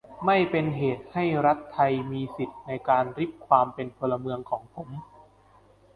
ไม่เป็นเหตุให้รัฐไทยมีสิทธิในการริบความเป็นพลเมืองของผม